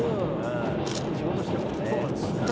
仕事してるもんね。